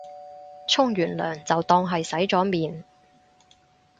沖完涼就當係洗咗面